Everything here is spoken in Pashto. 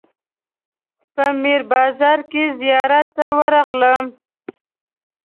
په میر بازار کې زیارت ته ورغلم.